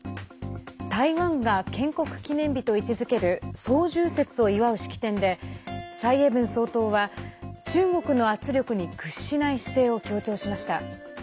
台湾が建国記念日と位置づける双十節を祝う式典で蔡英文総統は中国の圧力に屈しない姿勢を強調しました。